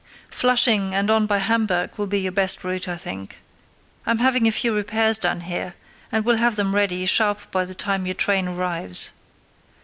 Flushing and on by Hamburg will be your best route, I think. I'm having a few repairs done here, and will have them ready sharp by the time your train arrives.